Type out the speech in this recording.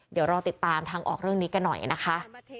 เดี๋ยวรอติดตามทางออกเรื่องนี้กันหน่อยนะคะ